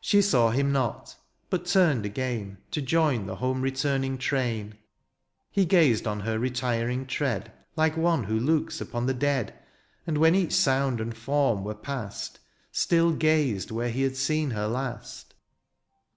She saw him not, but turned again To join the home returning train. He gazed on her retiring tread Like one who looks upon the dead. And when each sound and form were past Still gazed where he had seen her last.